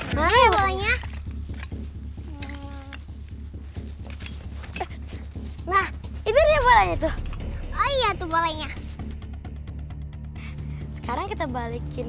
hai bolanya nah itu dia balanya tuh oh iya tuh balenya sekarang kita balikin